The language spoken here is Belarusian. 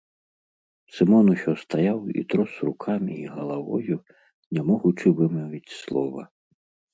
Сымон усё стаяў і трос рукамі і галавою, не могучы вымавіць слова.